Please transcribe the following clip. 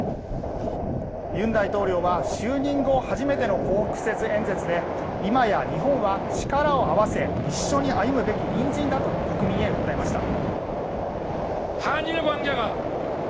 尹大統領は就任後初めての光復節演説で今や日本は力を合わせ一緒に歩むべき隣人だと国民へ訴えました。